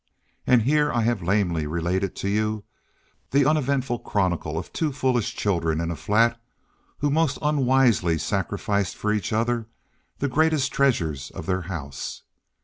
And here I have lamely related to you the uneventful chronicle of two foolish children in a flat who most unwisely sacrificed for each other the greatest treasures of their house.